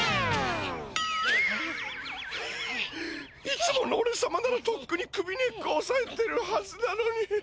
いつものおれさまならとっくに首根っこおさえてるはずなのに。